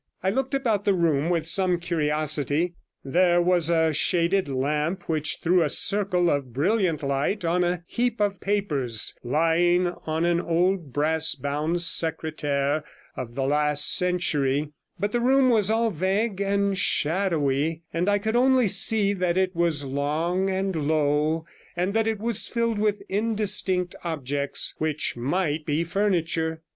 I looked about the room with some curiosity; there was a shaded lamp, which threw a circle of brilliant light on a heap of papers lying on an old brass bound secretaire of the last century, but the room was all vague and shadowy, and I could only see that it was long and low, and that it was filled with indistinct objects which might be furniture.